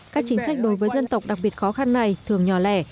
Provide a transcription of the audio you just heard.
các chính sách đối với dân tộc đặc biệt khó khăn này thường nhỏ lẻ